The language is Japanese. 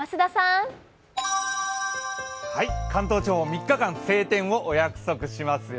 ３日間、晴天をお約束しますよ。